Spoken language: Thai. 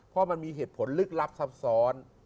เพราะมันมีเหตุผลลึกลับซับซ้อน